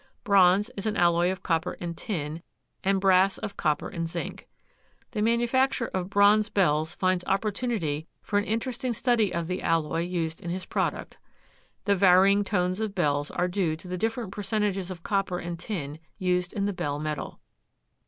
Bronze is an alloy of copper and tin and brass of copper and zinc. The manufacturer of bronze bells finds opportunity for an interesting study of the alloy used in his product. The varying tones of bells are due to the different percentages of copper and tin used in the bell metal.